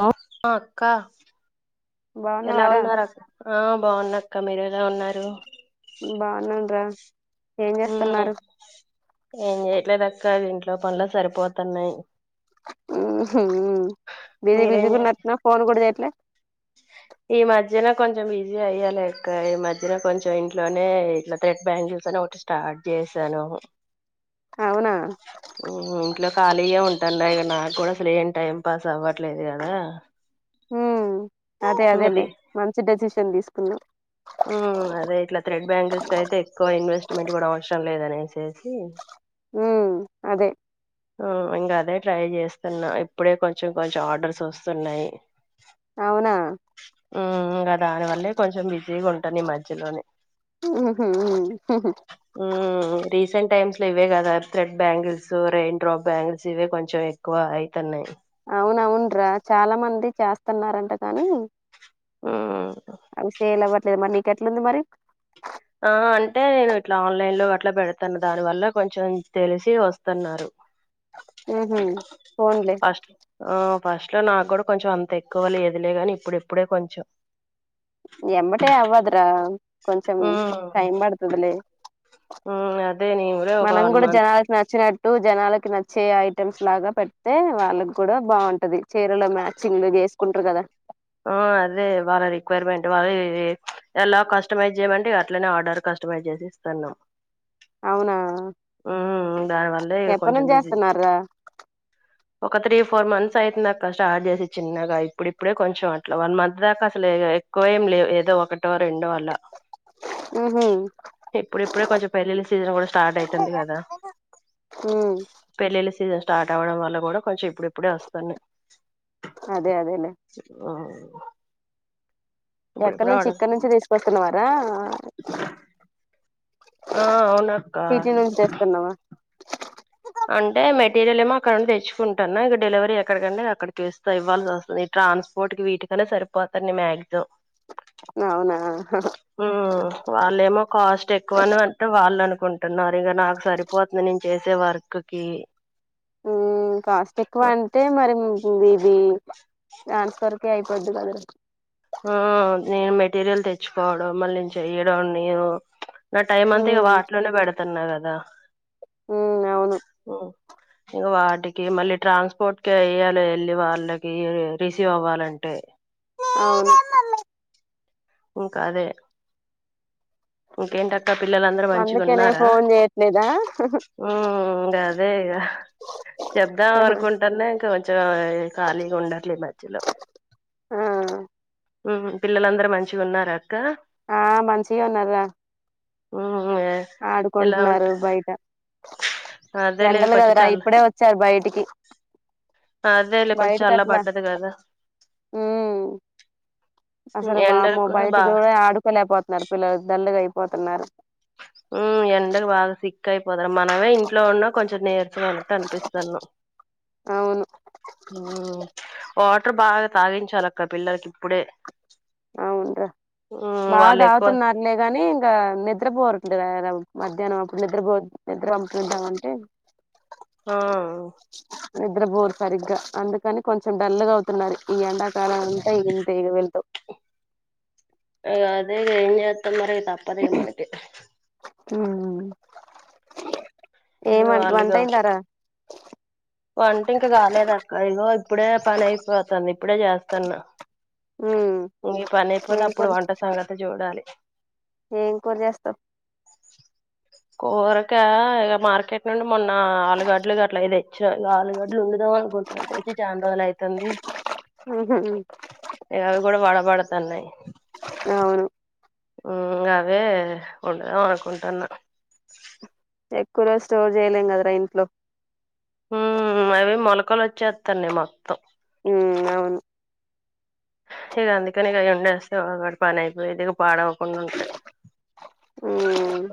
Hello అ క్క ఎలా బాగున్నవారా ఉన్నారక్ ఆ బాగున్నక్క మీరేలా ఉన్నారు బాన్నం రా ఏం ఉమ్, జేస్తున్నారు ఏం చేయట్లేదక్క ఇంట్లో పన్లె సరిపోతున్నయ్ ఊహు బిజి బిజిగున్నట్టున్నవ్ ఫోన్ గుడాజేయట్లే ఉ ఈ మధ్యన కొంచెం బిజీ అయ్యలేక్క ఈ మధ్యన కొంచెం ఇంట్లోనే ఇట్ల థ్రెట్ బ్యాంగిల్స్ అని ఒ కటి స్టార్ట్ జేసానూ అవునా ఊ ఇంట్లో ఖాళీగా ఎంఉంటాన్నా ఎ నాకు గుడా అసలేం టైం పాస్ అవ్వట్లేదు గదా ఊ అదే అదే లే మంచి డెసిషన్ తీస్కున్నవ్ అదే ఇట్ల త్రెడ్ బ్యాంగిల్స్కైతే ఎక్కువ ఇన్వెస్ట్మెంట్ గుడా ఔస్రం లేదనేసేసి అదే ఆ ఇంగదే ట్రై జేస్తున్నా ఇప్పుడే కొంచం కొంచం ఆర్డర్స్ ఒస్తున్నాయి ఔనా ఊమ్ గదానివల్లే కొంచెం బి జీగుంటాన ఈ మధ్యలోనే ఊమ్ రీసెంటె టైమ్స్లో ఇవే గదా త్రెడ్ బ్యాంగిల్స్, రెయిన్డ్రాప్ బ్యాంగిల్స్ ఇవే కొంచెం ఎక్కువ ఐతన్నయ్ ఔనౌన్రా చాలా మంది చాస్తన్నారంట గనీ ఉమ్ అవి సేల్ అవ్వట్లేద్ మరి నీకెట్లుంది మరి ఆ అంటే నేను ఇట్లా ఆన్లైన్ లో అట్ల పెడ్తాను దాని వల్ల కొంచెం తెలిసి ఒస్తున్నారు ఉహు, ఫోన్లే ఫస్ట్ అ ఫస్ట్ లో నాగూడా కొంచెం అంత ఎక్కువ లేదులే గని ఇప్పుడు ఇప్పుడే కొంచెం ఎమ్మటే అవ్వద్రా కొంచం ఉమ్ టైం పడ్తదిలే ఉమ్ అదే నేను కూడా ఒక మనం వన్ గుడా మంత్ జనాల్కి నచ్చిన ట్టూ జనాలకి నచ్చే ఐటెమ్స్ లాగా పెడ్తే వాళ్ళకూడ బాంటది చీరల మ్యాచింగ్ స్కుంట్రు గదా ఆ అదే వాళ్ళ రిక్వైర్మెంట్ వాళ్ ఈ ఎలా కస్టమైజ్ చేయమంటిగా అట్లనే ఆర్డర్ కస్టమైజ్ జేస్ స్తున్నా అవునా ఉమ్ దానివల్లే ఎప్పటి కొంచం నుంచి బిజీ చేస్తున్నారా ఒక త్రీ ఫోర్ మంత్స్ ఐతుందక్కా స్టార్ట్ జేసి చిన్నగా ఇప్పుడు ఇప్పుడే కొంచెం అట్ల వన్ మంత్ దాకా అసలె ఇగ ఎక్కువెం లేవ్ ఏదో ఒకటో రెండో అలా ఉహు ఇప్పుడిప్పుడే కొంచెం పెళ్ళిళ్ళ సీజన్ గుడా స్టార్ట్ ఐతుంది గదా ఉ పెళ్లిళ్ల సీజ స్టార్ట్ అవ్వడం వల్ల గుడా కొంచెం ఇప్పుడిప్పుడే ఒస్తున్నయ్ అదే అదేలే ఆ ఎక్కనుంచి ఇక్కనుంచి తీస్కొస్తున్నవరా ఆ అవునక్క సిటీ నుంచి దెస్తున్నావా అంటే మెటీరియల్ ఏమో అక్కడ్ నుండి తెచ్చుకుంటన్నా ఇగ డెలివరీ ఎక్కడకండె అక్కడికి ఇస్తా ఇవ్ల్సి ఒస్తది ఇట్ర ట్రాన్స్పోర్ట్ కి వీటికనే సరిపోతనయ్ మ్యాగ్జమ్ అవునా ఊ వాళ్ళేమో కాస్ట్ ఎక్కువని అంటే వాళ్ళను అనుకుంటున్నారు ఇంకా నాకు సరిపోతుంది నేను చేసే వర్క్ క కాస్టిక్ అంటే మరి ఇ ఇది ్రాన్స్ వరకే అయిపోద్ది కద ఆ నేను మెటీరియల్ తెచ్చుకోవడం మళ్ళీ నేను చెయడం నేను నా టైం ఉ అంతా ఇ వాటిలోనే పెడుతున్నా కదా ఉ అవును ఇంకా వాటికి మళ్ళీ ట్రాన్స్పోర్ట్ క వెయాలి వెళ్ళి వాళ్ళకి రిసీవ్ అవ్వాలంటే అవును ఇంకా అదే ఇంకేంటక్క పిల్లలందరుూ మంచిగా అందుకనే ఉన్నారా ఫోన్ చేయట్లేదా ఉకా అదే ఇక చెదాం అనుకుంటానే ఇంకా మ ఖాళీగా ఉండట్లే మధ్యలో ఆ పిల్లలందరూ మంచిగా ఉన్నారుార అక్క ఆ మంచిగా ఉన్నారుా ఆ ఆడుకుంటున్నారు బయట అదేలే ఎండలు కొంచెం కదరా చల్ల ఇప్పుడే వచ్చారు బయటికి అదేలే కొంచెం బయట చల్ల కట్లా పడ్డది కదా అసలు ఎండలకు వామ్మ బయట బా కూడా ఆడుకోలేకపోతున్నారు పిల్లలు దల్లుగా అయిపోతున్నారు ఉ ఎండగ బాగా సిక్క్క అయిపోతారు మనమే ఇంట్లో ఉన్నా కొంచెం నేరు అంత అనిపిస్తాను అవును అట బాగా తాగించాలి అక్క పిల్లలకి ఇప్పుడే అవును ఉమ్ బాగా వాళ్ళు ఎక్కువ దాగుతున్నలేగాని ఇంకా నిద్రపోరు ఇ మధ్యాహ్నం అప్పుడు నిద్రపో నిద్ర పంపునిద్దాంటే ఆ నిద్రపోోరు సరిగ్గా అందుకని కొంచెం డల్ గా అవుతున్నారు ఈ ఎడా ాలా అంతా ఎంత ఇ వెళ్త అదే ఎంత మర తప్పదిగా మనకు ఇగ ఏమ వంట వాళ్ళుగా అయి తారా వంట ఇంక కాలేదు అక్క ఇగో ఇప్పుడే పని అయిపోతుంది ఇప్పుడే చేస్తాను ఉమ్ ఇం పని అయిపోతే ఏం కూర అప్పుడు వంట సంగతి చూడాలి ఏం కూర చేస్తావ్ కూరక ఇక మార్కెట్ నుండి మొన్న ఆలుగడ్లు గ అట్లా ఇదే ఆలుగడ్డలు ఉండుదాం అనుకుంటుారు తెచ్చి చాన రోజులు అవుతుంది హ వాడతన్నాయి అవును అవే ఉండదాం అనుకుంటున్నా ఎక్కువ ర స్టోర్ చేయలేం కదరా ఇంట్లో ఉ అవి మొలకలు వచ్చేస్తున్నాయి మొత్తం ఉ అవును ఇ అందుకని ఇ ఎ ఉండస్తేడు పనియిపోయి ఇది పాడమ కొన్నంట ఉమ్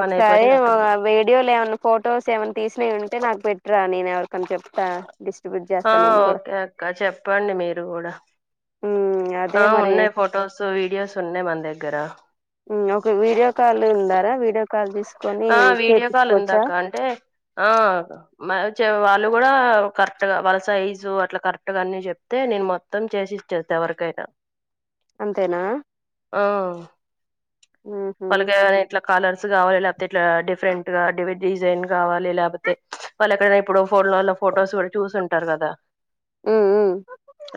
ఒకసారి చే వీడియోలు ఏమైన్నా ఫొటోస్ ఏమైన్నా తీసినవి ఉంటే నాకు పెట్ ్రా నేను ఎవరికన్నా చెప్తా డిస్ట్రిబ్యూట్ ఆ చేస్తా నేను కూడా ఓకే అక్క చెప్పండి మీరు కూడా ఉమ్ అదే ఆ మరి ఉన్నాయి ఫొటోస్ వీడియోస్ ఉన్నాయి మన దగ్గర ఒక వీడియో కాల్ ఉందారా వీడియో కాల్ తీసుకు ఆ వీడియో కాల్ ఉందాకా అంటే ఆ వాళ్ళు కూడా కరెక్ట్ గా వాళ్ళ సైజు అట్లా కరెక్ట్ గా అన్ని చెప్తే నేను మొత్తం చేసి ఇచ్చేంత వరకైనా అంతేనా ఆ మ్ హు వాళ్ళకి ఏమైనా ఇట్లా కలర్స్ కావాలి లేకపోతే ఇట్లా డిఫరెంట్ గా డివ్ డిజైన్ కావాలి లేకపోతే వాళ్ళు ఎక్కడన్న ఇప్పుడు ఫోన్లో ఫొటో చూసుంటారు కద ఉమ్ ఉమ్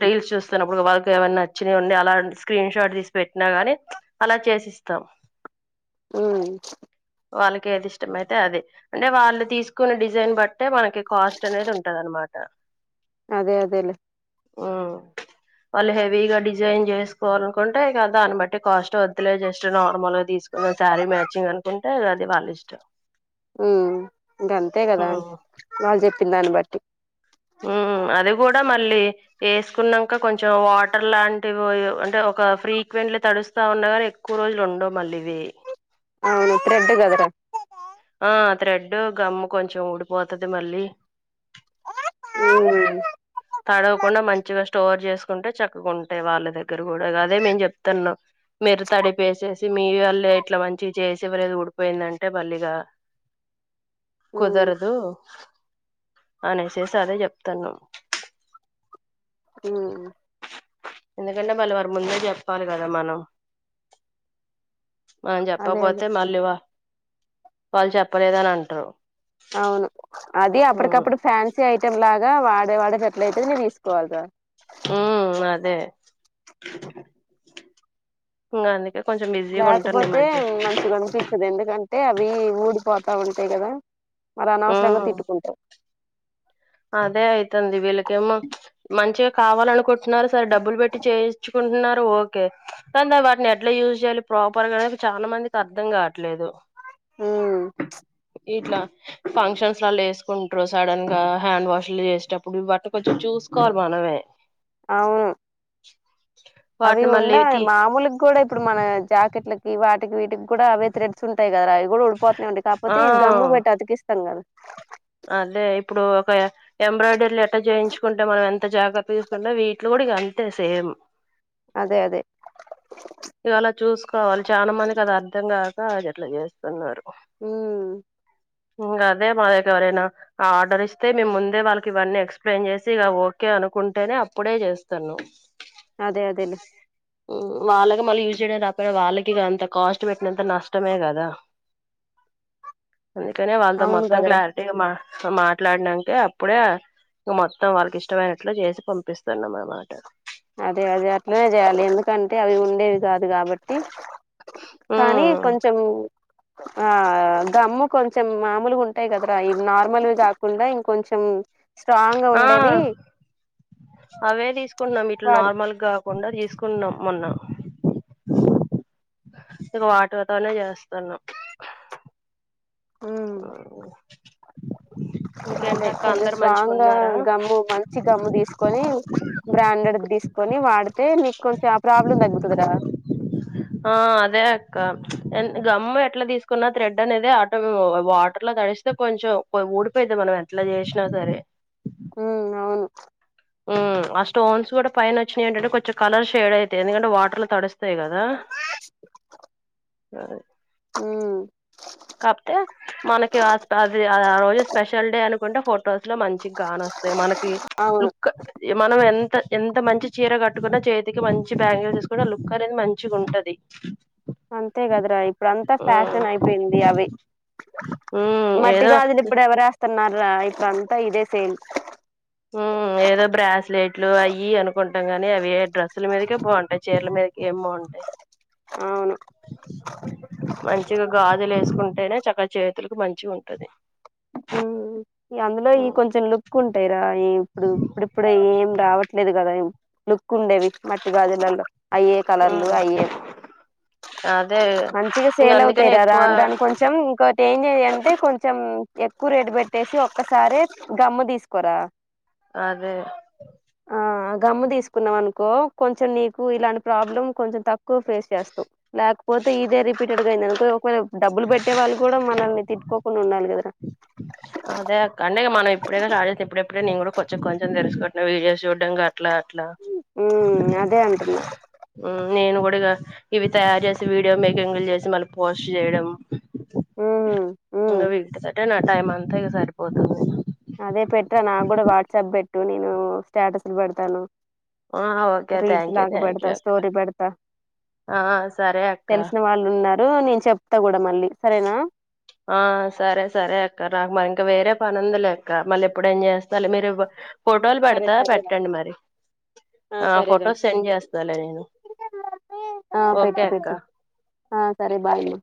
రిల్స్ చు నప్పుడు వాళ్ళకి ఏమైనా నచ్చియ్ ఉడి అలా స్క్రీన్ షాట్ తీసి పెట్టినా గాని అలా చేసిస్తాం హుమ్ వాళ్ళకి ఏది ఇష్టమయితే అదే అంటే వాళ్ళు తీసుకున్న డిజైన్ బట్టే మనకి కాస్ట్ అనేది ఉంటది అనమాట్ ట అదే అదేలే హుమ్ వాళ్ళు హెవీగా డిజైన్ చేసుకోవాలనుకుంటే ఇగ దాన్ని బట్టి కాస్ట్ వద్దు లే జస్ట్ నార్మల్గ తీసుకుందాం శారీ మ్యాచింగ్ అనుకుంటే అది వాళ్ళ ఇష్టం ఉ గంతే కదా వాళ్ళు చెప్పిన దాన్ని బట్టి హుమ్ అది కూడా మళ్ళీ వేసుకున్నాక కొంచెం వాటర్ లాంటివి అంటే ఒ ఒక ఫ్రీక్వెంట్లీ తడుస్తా ఉన్నాగాని ఎక్కువ రోజులు ఉండవు మళ్ళీ ఇవి అవును త్రేడ్ గదర ఆ త్రేడ్ గమ్ము కొంచెం ఊడిపోతది మళ్ళీ ఉమ్ తడవకుండా మంచిగా స్టోర్ చేస్ ంటే చక్కగాంటాయ్ వాళ్ళ దగ్గర కూడా అదే మేము చెప్తున్నాం మిరు తడిపేసేసి మీ వాళ్ళ ఇట్లా మంచి చేసివ్వలేదు ఊడిపోయిందంటే మళ్లి ఇగ ఉమ్ కుదరదు అనేసేసి అదే చెప్తాన్నం హుమ్ ఎందుకంటే మళ్ళీ వారి ముందే చెప్పాలి కదా మనం మం అదే అదే చెప్పకపోతే మళ్ళీ వా వాళ్ళు చెప్పలేదని అంటారు అవును అది ఉమ్ అప్పటికప్పుడు ఫ్యాన్సీ ఐటెం లాగ్ గా వాడే వాడేటటైతే నే తీసుకోవాలిగా హు అదే గందుకే లేకపోతే మంచిగా అనిపిస్తది ఎందుకం టే అవి ఊడిపోతా ఉంటాయి కదా మరి అనవసరంగా ఉమ్ తిట్టుకుంటా అదే అయితుంది వీళ్ళకేమో మంచిగా కావాలనుకుం న్నారు సరే డబ్బులు పెట్టి చేయించుకుంటున్నార్ ఓకే కన్ ద వాటిని ఎట్లా యూజ్ చేయాలి ప్రాపర్ గా అనేది చాలా మందికి అర్థం కావట్లేదు ఉమ్ ఇట్లా ఫంక్షన్స్ లల్లా వేసుకుంట్రూ సడన్ గా హ్యాండ్ వాష్ లు చేసేటప్పుడు వాటిని కొంచెం చూసుకోవాలి మనమే అవును అవి వాటిని మళ్ళీ ఉండా తీ మామూలుగ కూడా ఇప్పుడు మన జాకెట్లకి వాటికి వీటికి కూడా అవే త రెడ్స్ ఉంటాయి కదా రా అవి కూడా ఉడిపోతతునే ఉంటై ఆ కాపోతే ఈ గమ్ము పెట్టి అతికిస్తాం కదా అదే ఇప్పుడు ఒక ఎంబ్రాయిడరీలు ఎట్టా చేయించుకుంటే మనం ఎంత జాగ్రత్త తీసుకుంటే వీట్లో కూ ప్పుడి గ అంతే సేం అదే అదే ఇగ అలా చూసుకోవాలి చాన మందికి అది అర్ధం కాక అట్లా చేస్తున్నారు హుమ్ ఇంగ అదే మా ద ఎవరైనా ఆర్డర్ ఇస్తే మేము ముందే వాళ్ళకి ఇవన్నీ ఎక్స్ప్లెయిన్ చేసి ఇగ ఓకే అనుకుంటేనే అప్పుడే చేస్తాను అదే అదేలే హుమ్ వాళ్ళకి మళ్ళీ యూజ్ చేయడం రాపోయిన వాళ్ళకి అంత కాస్ట్ పెట్టినంత నష్టమే కదా అందుకనే వాళ్ళతో అవును మొత్తం కదరా క్లారిటీగా మాట్ హా మాట్లాడినాంకే అప్పుడే మొత్తం వాళ్ళకి ఇష్టమైనట్లు చేసి పంపిస్తున్నాం అనమాట అదే అది అట్లనే చేయాలి ఎందుకంటే అవి ఉండేవి కాదు కాబట్టి కానీ ఉమ్ కొంచెం ఆ దమ్ము కొంచెం మామూలుగా ఉంటాయి కదరా ఇది నార్మల్ కాకుండా ఇంకొంచెం స్ట్రాంగ్గా ఆ ఉండేవి తీసుకున్నాం ఇట్లా వాడు నార్మల్ కాకుండా తీసుకున్నాం మొన్న ఇక వాటితోనే చేస్తున్నాం ఉమ్ ఆ అదే కొంచెం మంచిగా స్ట్రాంగ్ గా ఉన్నారా గమ్ము మంచి గమ్ము తీసుకొని బ్రాండెడ్ తీసుకొని వాడితే నీకు కొంచెం ఆ ప్రాబ్లమ్ తగ్గుతది కదా ఆ అదే అక్క గమ్ము ఎట్లా తీసుకున్న థ్రెడ్ అనేది ఆటో వాటర్లో తడిస్తే కొంచెం ఊడిపోయిది మనం ఎట్లా చేసినా సరే ఉమ్ అవును ఆ స్టోన్స్ కూడా పైన వచ్చాయి ఏంటంటే కొంచెం కలర్ షేడ్ అయితయి ఎందుకంటే వాటర్ లో తడిస్ తే గదా హ్మ్మ్ మనకి కుంటే ఫొటోస్ లో మంచి కానోస్తాయి మనకి అవును లుక్ మనం ఎం త ఎంత మంచి చీర కట్టుకున్నా చేతికి మంచి బ్యాంగిల్స్ వేసుకుంటే లుక్ అనేది మంచిగా ఉంటది అంతే కదరా ఇప్పుడు అంతా ఉమ్ ఫ్యాషన్ అయిపోయింది అవి ఉమ్ ఏదో మట్టిగాజులు ఇప్పుడు ఎవరేస్తున్నారు ఆయి అంత ఇదే సేల్ ఉమ్ గానీ అవి డ్రస్సుల మీదే బాగుంటాయి చీర్ల మీద ఏ బాగుంటాయి అవును మంచిగా గాజు లు ఏసుకుంటేనే చక్క చేతులకు మంచిగా ఉంటది అందులో ఈ ఉమ్ కొంచెం లుక్ ఉంటాయిరా ఇప్పుడు ఇప్పుడిప్పుడు ఏం రావట్లేదు కదా లుక్ ఉండేవి మట్టి గాజులలో అయ్యే కలర్లు ఉమ్ అయ్యే అదే మంచిగా ఇంక సేల్ అవు అందుకని తరారు ఎక్కువ అం దాని కొంచెం ఇంకోటి ఏం చేయ అంటే కొంచెం ఎక్కువ రేటు పెట్టేసి ఒక్కసారి గమ్ము తీసుకోరా అదే ఆ గమ్ము తీసుకున్నాం అనుకో కొంచెం నీకు ఇలాంటి ప్రాబ్లం కొంచెం తక్కువ ఫేస్ చేస్తా లేకపోతే ఇదే రిపీటెడ్గాయింద అనుకో ఒకవేళ డబ్బులు పెట్టే వాళ్ళు కూడా మనల్ని తిట్కోకుండా ఉండాలి కదా రా అదే అక్క అంటే మనం ఇప్పుడే చాడ చేసిన ఇప్పుడుప్పుడే నేను కూడా కొంచెం కొంచెం తెలుసుకుంటున్నా వీడియోస్ చూడ్డాంగా అట్లా అట్లా హ్మ్. అదే అంటున్నా. ఉ నేను కూడా ఇవి తయారు చేసి వీడియో మేకింగ్ లు చేసి మన పోస్ట్ చేయడం హ్మ్. హ్మ్. ఇంకా వీటి తోనే నా టైం అంతా ఇగ సరిపోతాది అదే పెట్రా నాకు కూడా వాట్సాప్ పెట్టు నేను స్టేటస్లు పెడతాను ఆ ఓకే రీల్స్ థ్యాంక్ యూ లాగా థ్యాంక్ యూ పెడతా అక్క స్టోరి పెడతా ఆ సరే అక్క తెలిసిన వాళ్ళు ఉన్నారు నేను చెప్తా కూడ ఆ సరే సరే అక్క రా మారి ఇంకా వేరే పనుందిలేక్క మళ్ళీ ఎపుడన్న చేస్తాలే మీరు ఫొటోలు సరే పెడతా సరేరా పెట్టండి మరి ఆ ఫొటోస్ సెండ్ చేస్తాలే నేను ఆ ఓకే పెట్టు అక్క పెట్టు ఆ సరే బాయ్ మా